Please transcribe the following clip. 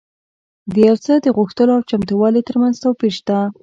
د یو څه د غوښتلو او چمتووالي ترمنځ توپیر شته